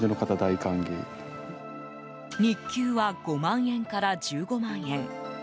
日給は５万円から１５万円。